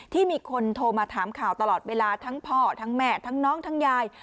ที่มีคนโทรมาถามข่าวตลอดเวลาทั้งพ่อทั้งแม่ทั้งน้องทั้งยาย